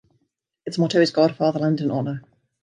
Its motto is God, Fatherland, and Honor.